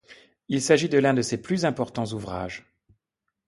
Il s'agit de l'un de ses plus importants ouvrages.